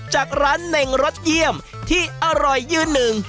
จากร้านเน่งรสเยี่ยมที่อร่อยยืนหนึ่ง